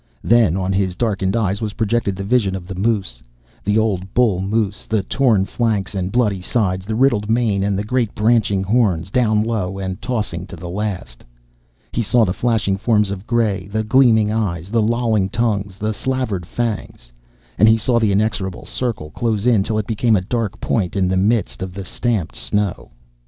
Then on his darkened eyes was projected the vision of the moose the old bull moose the torn flanks and bloody sides, the riddled mane, and the great branching horns, down low and tossing to the last. He saw the flashing forms of gray, the gleaming eyes, the lolling tongues, the slavered fangs. And he saw the inexorable circle close in till it became a dark point in the midst of the stamped snow.